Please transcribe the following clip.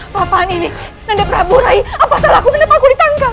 apa apaan ini anda perabur rai apa salahku kenapa aku ditangkap